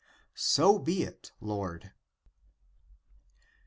So be it, Lord." 109.